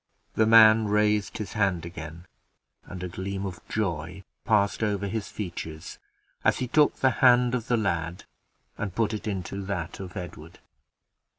The man raised his hand again, and a gleam of joy passed over his features, as he took the hand of the lad and put it into that of Edward.